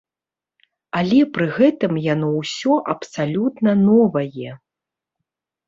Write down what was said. Але пры гэтым яно ўсё абсалютна новае.